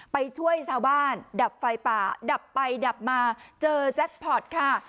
ไปช่วยชาวบ้านดับไฟป่าดับไปดับมาเจอแจ็คพอร์ตค่ะ